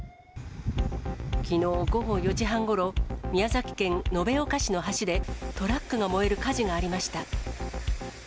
きのう午後４時半ごろ、宮崎県延岡市の橋でトラックが燃える火事がありました。